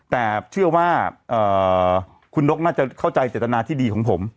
แต่เชื่อว่าคุณนกน่าจะเข้าใจเจตนาที่ดีของผม